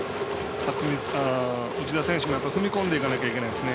内田選手も踏み込んでいかないといけないですね。